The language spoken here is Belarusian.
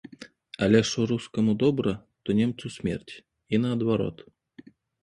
Але што рускаму добра, то немцу смерць, і наадварот.